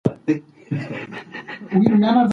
ایا لښته به له سخت ژوند څخه خلاص شي؟